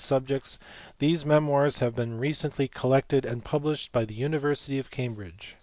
497 subjects ; these memoirs have been recently collected and published by the university of Cambridge.